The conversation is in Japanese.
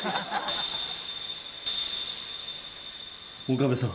岡部さん。